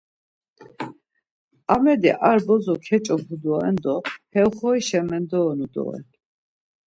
Amedi ar bozo keç̌opu doren do he oxorişa mendoyonu doren.